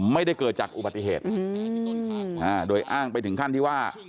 ไม่ได้เกิดจากอุบัติเหตุโดยอ้างไปถึงขั้นที่ว่า